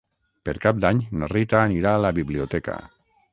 Per Cap d'Any na Rita anirà a la biblioteca.